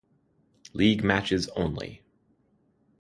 "League matches only"